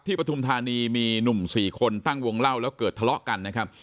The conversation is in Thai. ปฐุมธานีมีหนุ่ม๔คนตั้งวงเล่าแล้วเกิดทะเลาะกันนะครับ